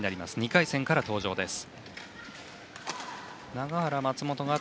２回戦からの登場です。